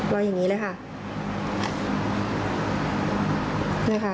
ว่าอย่างนี้เลยค่ะ